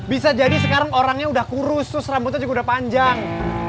bisa jadi sekarang orangnya udah kurus terus rambutnya juga udah panjang